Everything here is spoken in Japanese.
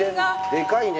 でかいね。